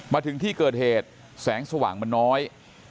มาถึงที่เกิดเหตุแสงสว่างมันน้อย